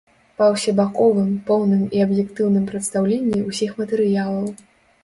Па усебаковым, поўным і аб'ектыўным прадстаўленні ўсіх матэрыялаў.